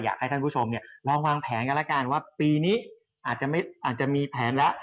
อยากให้ท่านผู้ชมเนี่ยเราวางแผนกันแล้วกันว่าปีนี้อาจจะมีแผนแล้ว